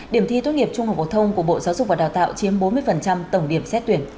điểm thi tốt nghiệp trung học phổ thông của bộ giáo dục và đào tạo chiếm bốn mươi tổng điểm xét tuyển